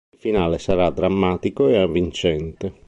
Il finale sarà drammatico e avvincente.